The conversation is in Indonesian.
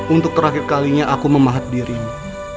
untuk terakhir kalinya aku memahat dirimu